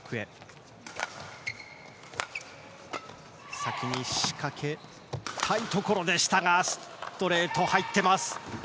先に仕掛けたいところでしたがストレート、入ってます。